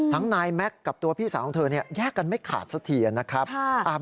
นายแม็กซ์กับตัวพี่สาวของเธอแยกกันไม่ขาดสักทีนะครับ